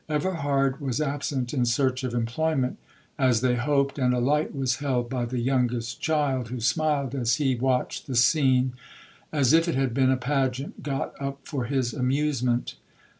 Everhard was absent in search of employment,—as they hoped,—and a light was held by the youngest child, who smiled as he watched the scene, as if it had been a pageant got up for his amusement.